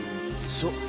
そう。